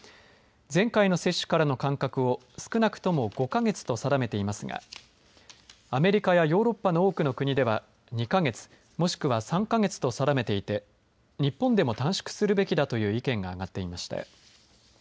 前回の接種からの間隔を少なくとも５か月と定めていますがアメリカやヨーロッパの多くの国では２か月、もしくは３か月と定めていて日本でも短縮するべきだという意見が上がっています。